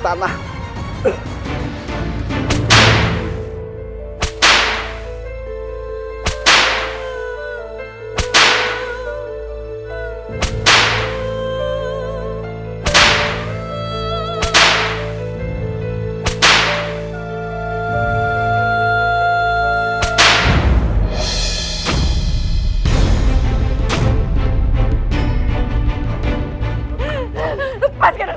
jangan sampai terjatuh